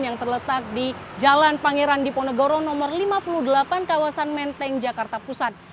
yang terletak di jalan pangeran diponegoro nomor lima puluh delapan kawasan menteng jakarta pusat